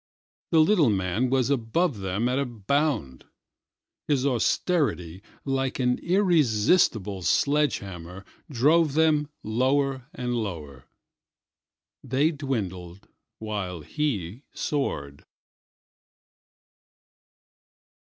The little man was above them at a bound. His austerity, like an irresistible sledge hammer, drove them lower and lower:They dwindled while he soared.